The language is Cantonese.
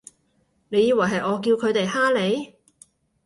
你以為係我叫佢哋㗇你？